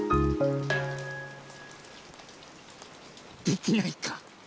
できないか。